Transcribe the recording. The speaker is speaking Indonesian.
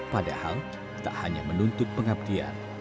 padahal tak hanya menuntut pengabdian